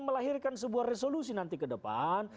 melahirkan sebuah resolusi nanti kedepan